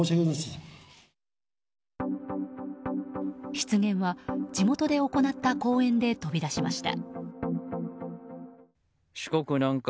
失言は地元で行った講演で飛び出しました。